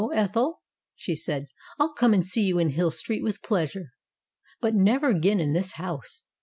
"No, Ethel," she said, "I'll come and see you in Hill Street with pleasure, but never again in this house.